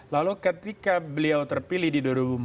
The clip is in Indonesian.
lalu ketika beliau terpilih di dua ribu empat belas